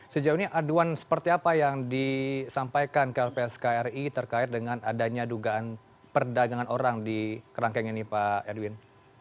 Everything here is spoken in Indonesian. sejauh ini aduan seperti apa yang disampaikan ke lpskri terkait dengan adanya dugaan perdagangan orang di kerangkeng ini pak edwin